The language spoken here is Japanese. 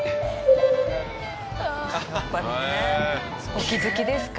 お気付きですか？